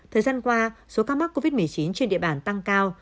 thời gian qua số ca mắc covid một mươi chín trên địa bàn tăng cao